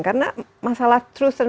karena masalah truth and